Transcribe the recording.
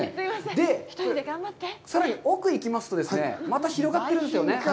さらに奥に行きますと、また広がってるんですよね。